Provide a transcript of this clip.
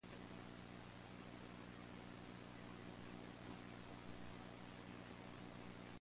International enforcement also stepped up considerably under Cox.